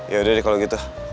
yaudah deh kalau gitu